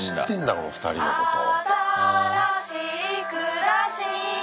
この２人のことを。